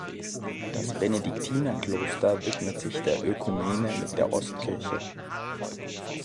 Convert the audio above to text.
Das Benediktiner-Kloster widmet sich der Ökumene mit der Ostkirche.